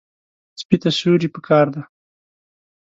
سپي ته سیوري پکار دی.